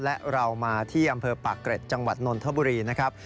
และเรามาที่อำเภอปากเกร็ดจังหวัดนนทบุรีนะครับ